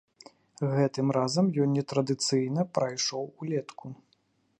Гэтым разам ён нетрадыцыйна прайшоў улетку.